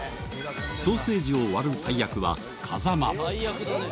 ソーセージを割る大役は風間大役だね。